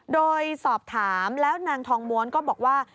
โดยสอบถามแล้วนางทองม้วนก็บอกว่า